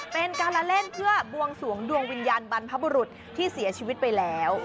เป็นการละเล่นเพื่อบวงสวงดวงวิญญาณบรรพบุรุษที่เสียชีวิตไปแล้ว